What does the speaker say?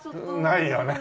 ないよね。